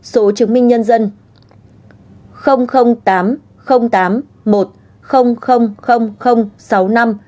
số chứng minh nhân dân